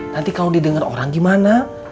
nanti kalau didengar orang gimana